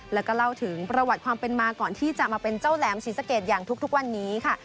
แล้วก็เล่าถึงประวัติความเป็นมาก่อนที่จะมาเป็นเจ้าแหลมศรีสะเกดอย่างทุกวันนี้ค่ะ